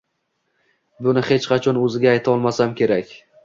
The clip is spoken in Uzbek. Buni hech qachon o`ziga ayta olmasam kerak